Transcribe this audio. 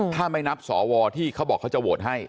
ถ้าไม่นับสวที่เขาบอกเขาจะโหวตให้